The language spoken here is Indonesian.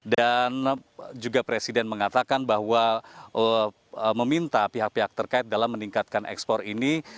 dan juga presiden mengatakan bahwa meminta pihak pihak terkait dalam meningkatkan ekspor ini